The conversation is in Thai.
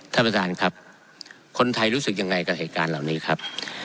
ท่านประธานครับคนไทยรู้สึกยังไงกับเหตุการณ์เหล่านี้ครับ